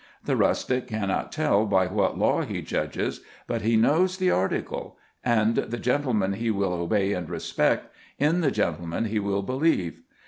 The rustic cannot tell by what law he judges, but he knows the article, and the gentleman he will obey and respect, in the gentleman he will believe.